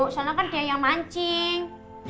soalnya kan dia yang mancing